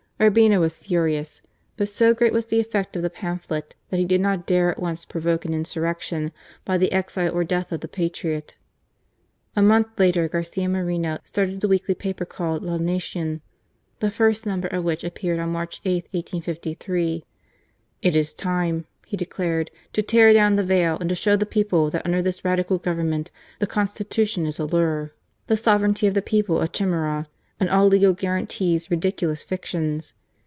Urbina was furious, but so great was the effect of the pamphlet that he did not dare at once provoke an insurrection by the exile or death of the patriot. A month later Garcia Moreno started a weekly paper called La N acton, the first number of which appeared on March 8, 1853. " It is time," he declared, " to tear down the veil and to show the people that under this Radical Government, the constitution is a lure. 48 GARCIA MORENO. the sovereignty of the people a chimera, and all legal guarantees ridiculous fictions.